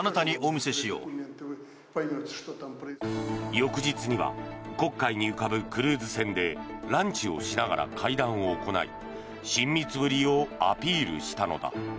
翌日には黒海に浮かぶクルーズ船でランチをしながら会談を行い親密ぶりをアピールしたのだ。